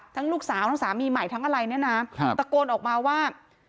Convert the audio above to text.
ลูกสาวทั้งสามีใหม่ทั้งอะไรเนี่ยนะตะโกนออกมาว่า